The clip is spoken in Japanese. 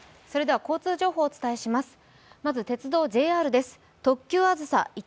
それでは交通情報をお伝えします。